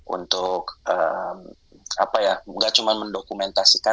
untuk apa ya nggak cuma mendokumentasikan